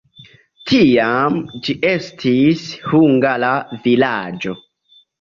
Tiam ĝi estis hungara vilaĝo.